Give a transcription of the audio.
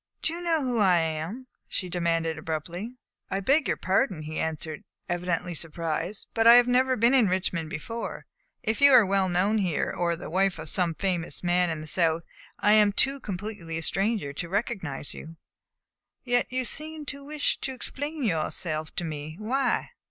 "Do you know who I am?" she demanded abruptly. "I beg your pardon," he answered, evidently surprised, "but I have never been in Richmond before. If you are well known here, or are the wife of some man famous in the South, I am too completely a stranger to recognize you." "Yet you seemed to wish to explain yourself to me. Why?"